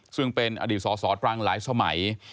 ซึ่งเป็นอดีตสสตรังหลายสมัย